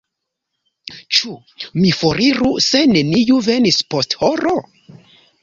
Ĉu mi foriru se neniu venis post horo?